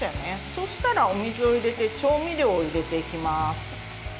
そうしたら、お水を入れて調味料を入れていきます。